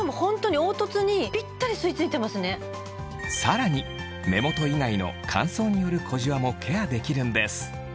さらに目元以外の乾燥による小じわもケアできるんです